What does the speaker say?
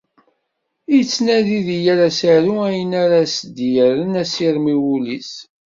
Ittnadi di yall asaru ayen ara as-d-yerren asirem i wul-is.